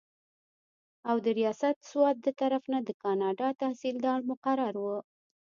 او د رياست سوات دطرف نه د کاڼا تحصيلدار مقرر وو